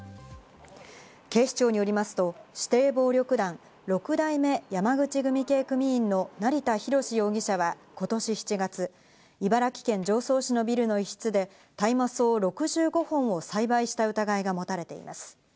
警視庁によりますと、指定暴力団六代目・山口組系組員の成田博守容疑者は、今年７月、茨城県常総市のビルの一室で大麻草６５本を栽培した疑いが持たれています。